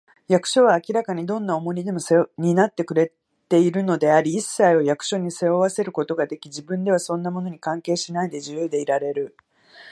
役所は明らかにどんな重荷でも担ってくれているのであり、いっさいを役所に背負わせることができ、自分ではそんなものに関係しないで、自由でいられる